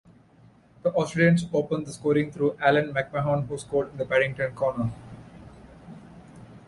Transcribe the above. The Australian's opened the scoring through Allan McMahon who scored in the Paddington corner.